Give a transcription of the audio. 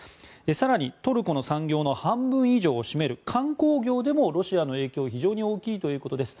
更に、トルコの産業の半分以上を占める観光業でもロシアの影響は非常に大きいということです。